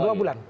dua bulan ya